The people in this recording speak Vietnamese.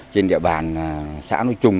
trên địa bàn xã nội trung